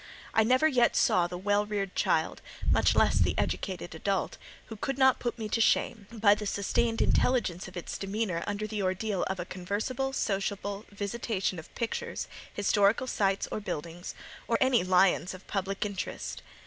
I never yet saw the well reared child, much less the educated adult, who could not put me to shame, by the sustained intelligence of its demeanour under the ordeal of a conversable, sociable visitation of pictures, historical sights or buildings, or any lions of public interest.